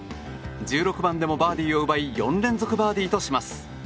１６番でもバーディーを奪い４連続バーディーとします。